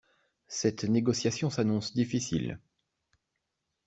Cette négociation s’annonce difficile.